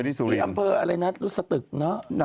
ที่อำเภออะไรนั้นรุษฐตึกเนอะ